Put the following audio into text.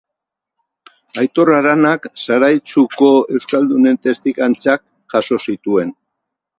Aitor Aranak Zaraitzuko euskaldunen testigantzak jaso zituen.